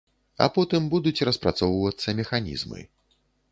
А потым будуць распрацоўвацца механізмы.